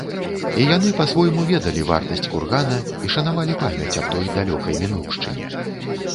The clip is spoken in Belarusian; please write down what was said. І яны па-свойму ведалі вартасць кургана і шанавалі памяць аб той далёкай мінуўшчыне.